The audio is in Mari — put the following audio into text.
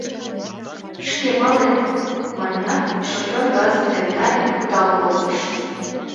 — Шке палет, — манят, шофёр газым темдале, кудал колтыш.